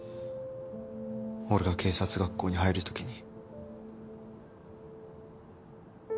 俺が警察学校に入るときに。